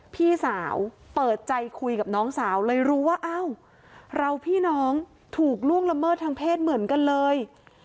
พี่สาวเปิดใจคุยกับน้องสาวเลยรู้ว่าอ้าวเราพี่น้องถูกล่วงละเมิดทางเพศเหมือนกันเลย